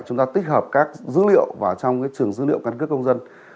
chúng ta tích hợp các dữ liệu vào trong trường dữ liệu căn cước công dân